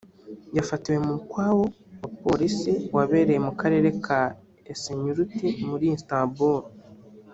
yafatiwe mu mukwabo wa polisi wabereye mu karere ka Esenyurt muri Istanbul